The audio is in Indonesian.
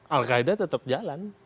al qaeda tetap jalan